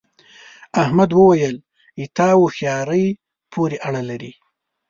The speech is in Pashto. احمد وويل: ستا هوښیارۍ پورې اړه لري.